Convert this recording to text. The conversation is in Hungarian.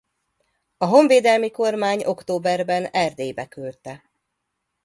A honvédelmi kormány októberben Erdélybe küldte.